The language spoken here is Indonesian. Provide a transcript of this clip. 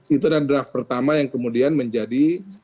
itu adalah draft pertama yang kemudian menjadi